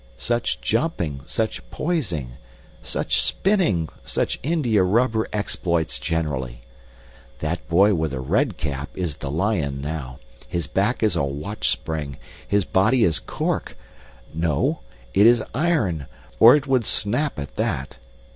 Such jumping, such poising, such spinning, such India rubber exploits generally! That boy with a red cap is the lion now; his back is a watch spring, his body is cork no, it is iron, or it would snap at that!